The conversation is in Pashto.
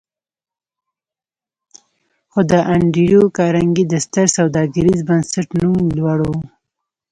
خو د انډريو کارنګي د ستر سوداګريز بنسټ نوم لوړ و.